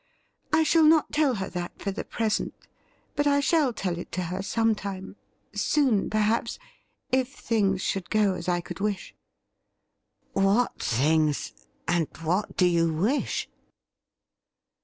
I shall not tell her that for the present, but I shall tell it to her some time — soon, perhaps, if things should go as I could wish.' ' What things, and what do you wish